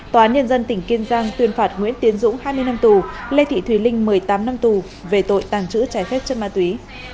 tòa án nhân dân tỉnh kiên giang tuyên phạt nguyễn tiến dũng hai mươi năm tù lê thị thùy linh một mươi tám năm tù về tội tàng trữ trái phép chất ma túy